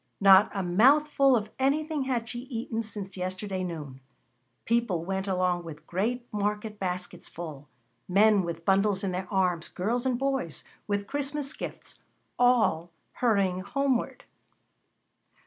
Not a mouthful of anything had she eaten since yesterday noon. People went along with great market baskets full; men with bundles in their arms, girls and boys with Christmas gifts, all hurrying homeward.